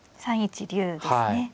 ３一竜ですね。